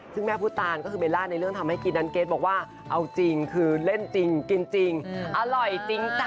ซึ่งแม่ผู้ตานก็คือเบลล่าในเรื่องทำให้กินนั้นเกรทบอกว่าเอาจริงคือเล่นจริงกินจริงอร่อยจริงจ้ะ